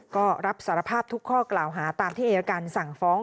ก็รับสารภาพทุกข้อกล่าวหาตามที่อายการสั่งฟ้อง